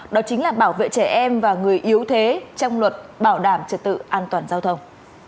đó chính là bảo vệ trẻ em và người yếu thế trong luật bảo đảm trật tự an toàn giao thông